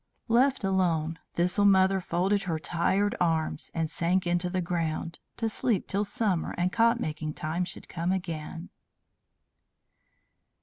Left alone, Thistle Mother folded her tired arms and sank into the ground, to sleep till summer and cot making time should come again.